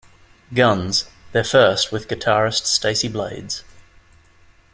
Guns, their first with guitarist Stacey Blades.